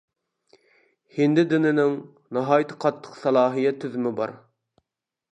ھىندى دىنىنىڭ ناھايىتى قاتتىق سالاھىيەت تۈزۈمى بار.